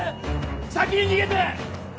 先に逃げて！